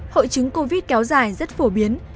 hội chứng covid kéo dài rất phổ biến